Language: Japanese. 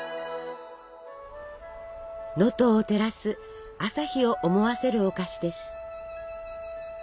能登を照らす朝日を思わせるお菓子です。